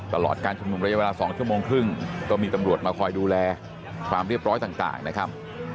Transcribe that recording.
ตลอดการชุมนุมระยะเวลา๒ชั่วโมงครึ่งก็มีตำรวจมาคอยดูแลความเรียบร้อยต่างนะครับ